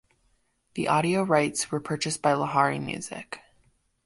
The audio rights were purchased by Lahari Music.